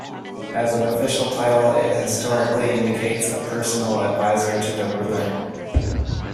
As an official title, it historically indicates a personal advisor to the ruler.